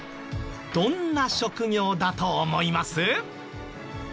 どんな職業だと思います？